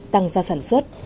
tăng ra sản xuất